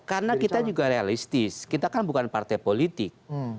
karena kita juga realistis kita kan bukan partai politik